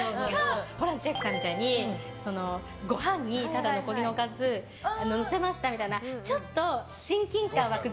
ホラン千秋さんみたいにご飯にただ残りのおかずのせましたみたいなちょっと親近感が湧く